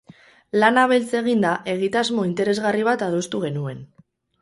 Lana beltz eginda, egitasmo interesgarri bat adostu genuen.